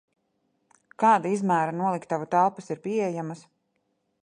Kāda izmēra noliktavu telpas ir pieejamas?